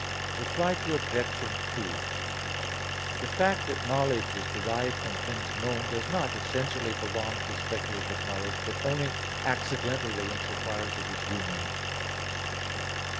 Reply Obj. 2: The fact that knowledge is derived from things known does not essentially belong to speculative knowledge, but only accidentally in so far as it is human.